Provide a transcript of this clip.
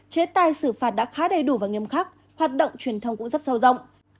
hai xử phạt đã khá đầy đủ và nghiêm khắc hoạt động truyền thông cũng rất sâu rộng